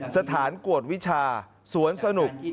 สถานกวดวิชาสวนสนุก